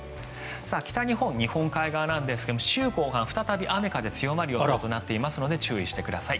北日本、日本海側なんですが週後半再び雨風が強まる予想となっていますので注意してください。